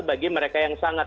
bagi mereka yang sangat